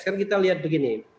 kan kita lihat begini